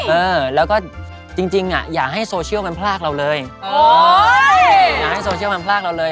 เออแล้วก็จริงจริงอ่ะอย่าให้โซเชียลมันพลากเราเลยอ๋ออย่าให้โซเชียลมันพลากเราเลย